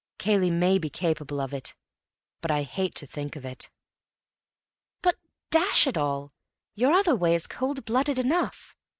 Cayley may be capable of it, but I hate to think of it." "But, dash it all, your other way is cold blooded enough.